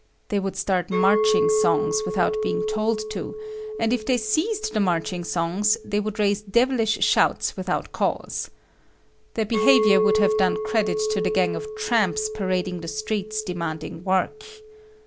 They would start marching songs without being told to, and if they ceased the marching songs, they would raise devilish shouts without cause. Their behavior would have done credit to the gang of tramps parading the streets demanding work.